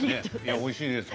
おいしいですよ。